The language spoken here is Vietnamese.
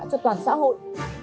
cho toàn xã hội